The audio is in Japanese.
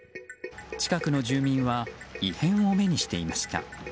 近くの住民は異変を目にしていました。